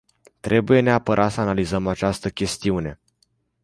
Trebuie neapărat să analizăm această chestiune.